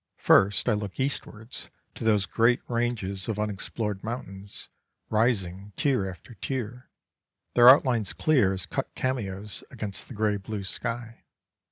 First I look eastwards to those great ranges of unexplored mountains, rising tier after tier, their outlines clear as cut cameos against the grey blue sky.